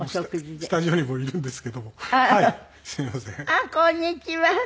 あっこんにちは！